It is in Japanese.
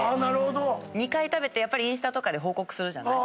２回食べてインスタとかで報告するじゃない。